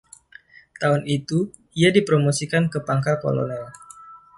Tahun itu, ia dipromosikan ke pangkat kolonel.